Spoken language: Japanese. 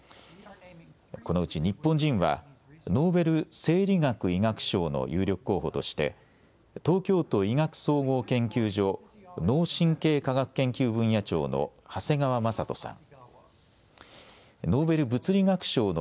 このうち日本人はノーベル生理学・医学賞の有力候補として東京都医学総合研究所脳・神経科学研究分野長の長谷川成人さん。